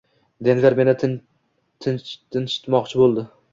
Denver meni tinchitmoqchi bo`ldi